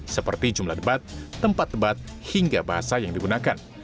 seperti jumlah debat tempat debat hingga bahasa yang digunakan